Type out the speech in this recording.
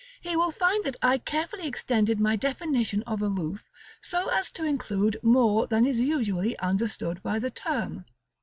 he will find that I carefully extended my definition of a roof so as to include more than is usually understood by the term.